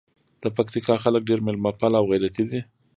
د پکتیکا خلګ ډېر میلمه پاله او غیرتي دي.